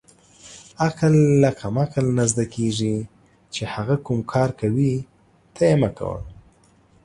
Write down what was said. عقل له قمعل نه زدکیږی چی هغه کوم کار کوی ته یی مه کوه